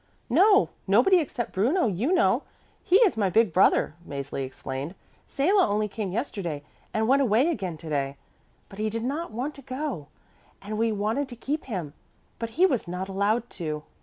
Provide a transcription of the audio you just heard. "No, nobody except Bruno, you know; he is my big brother," Mäzli explained. "Salo only came yesterday and went away again to day. But he did not want to go and we wanted to keep him. But he was not allowed to.